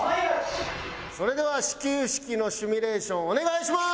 それでは始球式のシミュレーションお願いします！